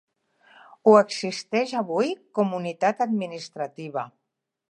Ho existeix avui com unitat administrativa.